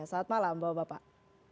selamat malam bapak bapak